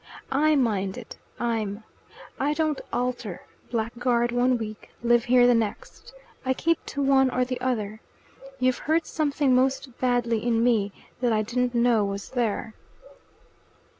"I mind it I'm I don't alter blackguard one week live here the next I keep to one or the other you've hurt something most badly in me that I didn't know was there."